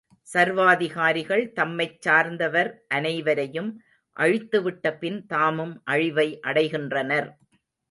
சர்வாதிகாரிகள் தம்மைச் சார்ந்தவர் அனைவரையும் அழித்துவிட்ட பின் தாமும் அழிவை அடைகின்றனர்.